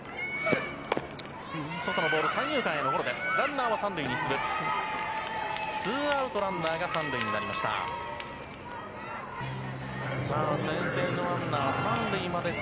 外のボール、三遊間へのゴロです。